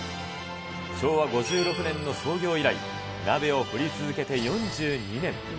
昭和５６年の創業以来、鍋を振り続けて４２年。